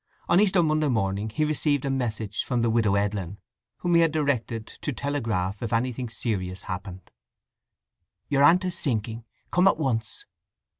On Easter Monday morning he received a message from the Widow Edlin, whom he had directed to telegraph if anything serious happened: Your aunt is sinking. Come at once.